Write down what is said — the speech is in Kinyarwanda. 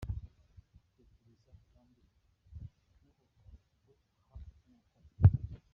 Tegereza kandi ntuhubuke ngo aha imyaka iragenda.